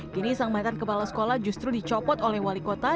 kini sang mantan kepala sekolah justru dicopot oleh wali kota